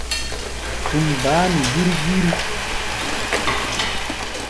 Tum baá nu gír-gír.